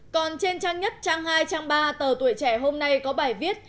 còn trên trang nhất trang hai trang ba tờ tuổi trẻ hôm nay có bài viết